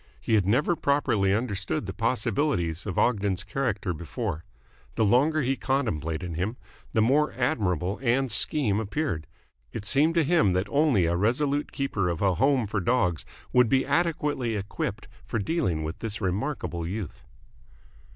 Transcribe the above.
He had never properly understood the possibilities of Ogden's character before. The longer he contemplated him, the more admirable Ann's scheme appeared. It seemed to him that only a resolute keeper of a home for dogs would be adequately equipped for dealing with this remarkable youth.